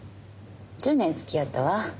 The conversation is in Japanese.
１０年付き合ったわ。